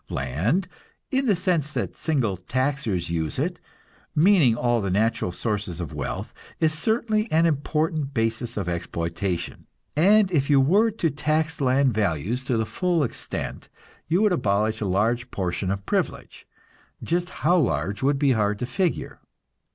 Land, in the sense that single taxers use it, meaning all the natural sources of wealth, is certainly an important basis of exploitation, and if you were to tax land values to the full extent, you would abolish a large portion of privilege just how large would be hard to figure.